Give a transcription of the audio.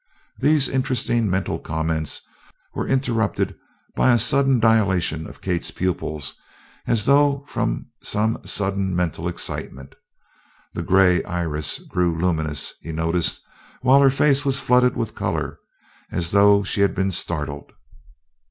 These interesting mental comments were interrupted by a sudden dilation of Kate's pupils as though from some sudden mental excitement. The gray iris grew luminous, he noticed, while her face was flooded with color, as though she had been startled.